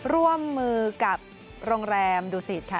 ร่วมมือกับโรงแรมดูสิตค่ะ